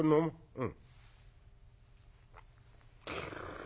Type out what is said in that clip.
うん」。